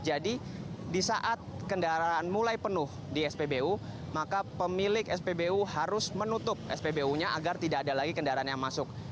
jadi di saat kendaraan mulai penuh di spbu maka pemilik spbu harus menutup spbu nya agar tidak ada lagi kendaraan yang masuk